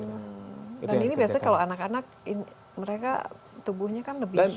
dan ini biasanya kalau anak anak mereka tubuhnya kan lebih